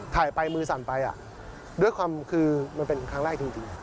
ถ่ายไปมือสั่นไปด้วยความคือมันเป็นครั้งแรกจริง